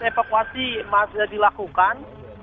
evakuasi masih dilakukan